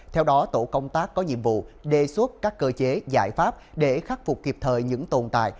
theo đó tổ công tác có nhiệm vụ đề xuất các cơ chế giải pháp để khắc phục kịp thời những tồn tại